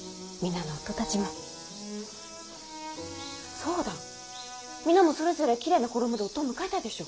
そうだ皆もそれぞれきれいな衣で夫を迎えたいでしょう。